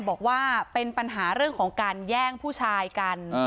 บอกว่าเป็นปัญหาเรื่องของการแย่งผู้ชายกัน